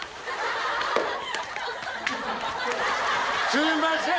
すいません。